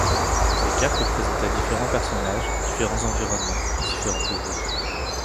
Ces cartes présentaient différents personnages, différents environnements et différents pouvoirs.